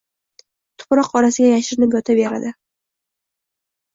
Tuproq orasiga yashirinib yotaveradi.